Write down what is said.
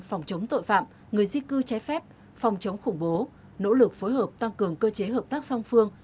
phòng chống tội phạm người di cư trái phép phòng chống khủng bố nỗ lực phối hợp tăng cường cơ chế hợp tác song phương